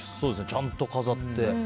ちゃんと飾って。